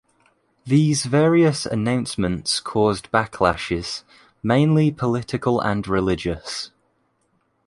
These various announcements caused backlashes, mainly political and religious.